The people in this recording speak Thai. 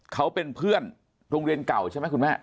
เขาเป็นเพื่อนโรงเรียนเก่าใช่ไหมคุณแม่